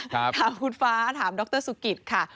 ถามคุณฟ้าถามดรสุกิตค่ะ